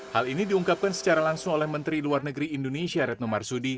hal ini diungkapkan secara langsung oleh menteri luar negeri indonesia retno marsudi